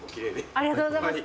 ありがとうございます。